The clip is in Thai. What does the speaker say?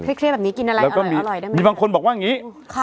เครียดแบบนี้กินอะไรก็มีอร่อยได้ไหมมีบางคนบอกว่าอย่างนี้ค่ะ